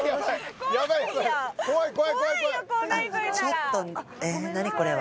ちょっと何これは。